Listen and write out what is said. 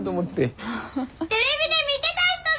テレビで見てた人だ！